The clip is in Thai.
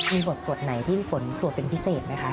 มีบทสวดไหมที่มีผลสวดเป็นพิเศษมั้ยค่ะ